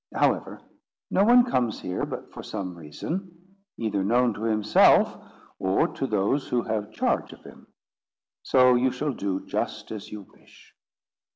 However, no one comes here but for some reason, either known to himself or to those who have charge of him; so you shall do just as you wish."